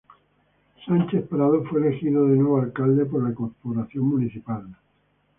Sánchez-Prado fue elegido de nuevo alcalde por la corporación municipal.